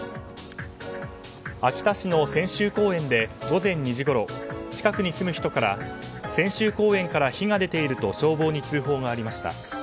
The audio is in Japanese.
秋田市の千秋公園で午前２時ごろ近くに住む人から千秋公園から火が出ていると消防に通報がありました。